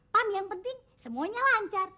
pan yang penting semuanya lancar